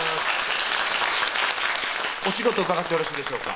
お仕事伺ってよろしいでしょうか